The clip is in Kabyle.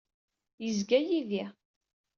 Yezga yid-i.